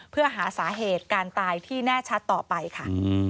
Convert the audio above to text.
เพื่อหาสาเหตุการตายที่แน่ชัดต่อไปค่ะ